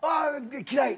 嫌い。